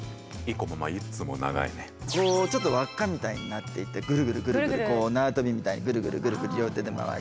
こうちょっと輪っかみたいになっていてぐるぐるぐるぐるこう縄跳びみたいにぐるぐるぐるぐる両手で回して。